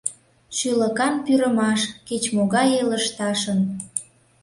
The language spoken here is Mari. Шӱлыкан пӱрымаш Кеч-могае лышташын.